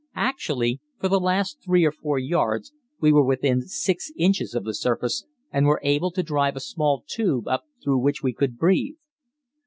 Actually for the last 3 or 4 yards we were within 6 inches of the surface, and were able to drive a small tube up through which we could breathe.